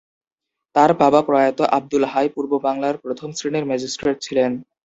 তার বাবা প্রয়াত আব্দুল হাই পূর্ব বাংলার প্রথম শ্রেণির ম্যাজিস্ট্রেট ছিলেন।